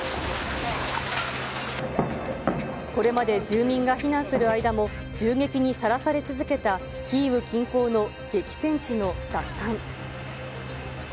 これまで住民が避難する間も、銃撃にさらされ続けたキーウ近郊の激戦地の奪還。